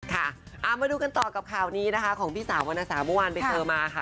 ค่ะเอามาดูกันต่อกับข่าวนี้นะคะของพี่สาววรรณสาวเมื่อวานไปเจอมาค่ะ